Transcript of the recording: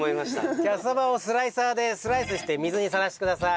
キャッサバをスライサーでスライスして水にさらしてください。